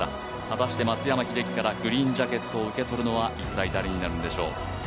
果たして松山英樹からグリーンジャケットを受け取るのは一体誰になるんでしょう。